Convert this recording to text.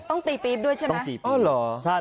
ต้องตีปี๊บด้วยใช่ไหมอ่าหรอใช่